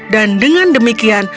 dan dengan demikian